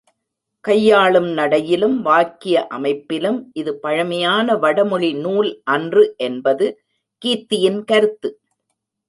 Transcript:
கையாளும் நடையிலும் வாக்கிய அமைப்பிலும் இது பழமையான வடமொழி நூல் அன்று என்பது கீத்தின் கருத்து.